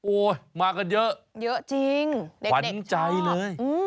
โอ๊ยมากันเยอะเยอะจริงเด็กชอบขวานใจเลย